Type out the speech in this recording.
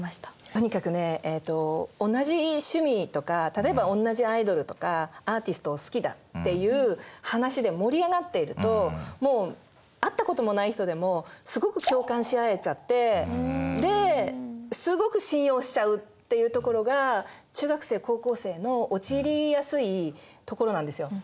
とにかくね同じ趣味とか例えば同じアイドルとかアーティストを好きだっていう話で盛り上がっているともう会ったこともない人でもすごく共感し合えちゃってですごく信用しちゃうっていうところが中学生高校生のおちいりやすいところなんですよ。